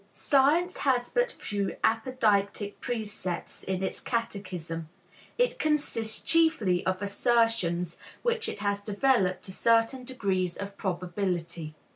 Science has but few apodeictic precepts in its catechism; it consists chiefly of assertions which it has developed to certain degrees of probability.